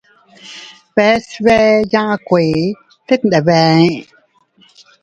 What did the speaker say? Bees bee yaʼas kuee, tet ndebe ee.